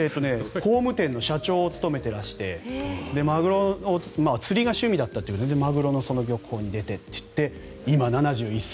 工務店の社長を務めていらして釣りが趣味だということでマグロの漁港に出てって今、７１歳。